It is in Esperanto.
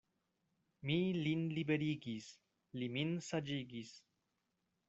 Mi lin liberigis, li min saĝigis.